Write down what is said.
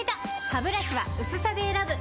ハブラシは薄さで選ぶ！